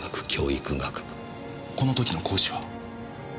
この時の講師は？